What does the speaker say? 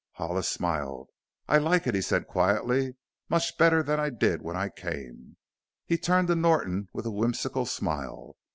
Hollis smiled. "I like it," he said quietly, "much better than I did when I came." He turned to Norton with a whimsical smile.